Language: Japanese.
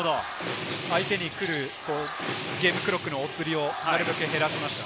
相手に来る、ゲームクロックのお釣りをなるべく減らせました。